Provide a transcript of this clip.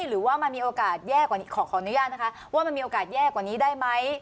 หรือว่ามันมีโอกาสแย่กว่านี้ขออนุญาตนะคะว่ามันมีโอกาสแย่กว่านี้ได้ไหม